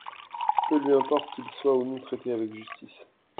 Peu lui importe qu’ils soient ou non traités avec justice.